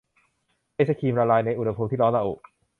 ไอศกรีมละลายในอุณหภูมิที่ร้อนระอุ